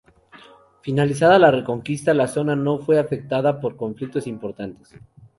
Finalizada la Reconquista la zona no fue afectada por conflictos importantes.